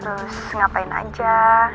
terus ngapain aja